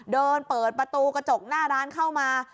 เดินเปิดประตูกระจกหน้าร้านเข้ามา